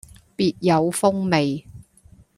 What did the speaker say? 別有風味